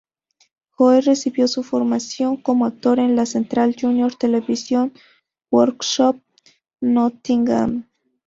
Joe recibió su formación como actor en la Central Junior Television Workshop, Nottingham.